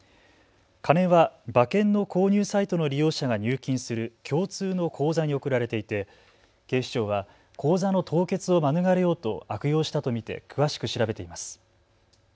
金は馬券の購入サイトの利用者が入金する共通の口座に送られていて警視庁は口座の凍結を免れようと悪用したと見て詳しく調べています。